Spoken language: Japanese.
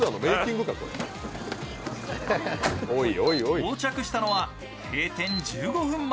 到着したのは閉店１５分前。